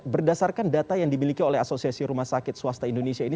berdasarkan data yang dimiliki oleh asosiasi rumah sakit swasta indonesia ini